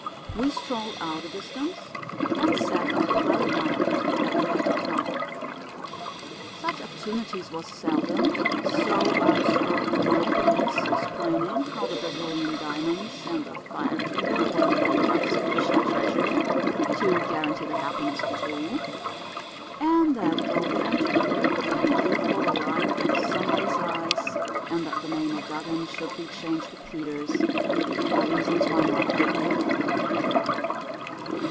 We strolled out a distance and sat on a pile of lumber at the edge of town. Such opportunities was seldom, so I spoke my piece, explaining how the Brazilian diamonds and the fire kindler were laying up sufficient treasure to guarantee the happiness of two, and that both of 'em together couldn't equal the light from somebody's eyes, and that the name of Dugan should be changed to Peters, or reasons why not would be in order.